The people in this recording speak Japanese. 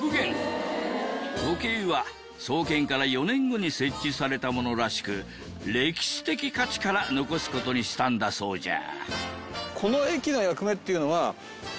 時計は創建から４年後に設置されたものらしく歴史的価値から残す事にしたんだそうじゃ。